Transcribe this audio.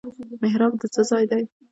محراب د څه ځای دی؟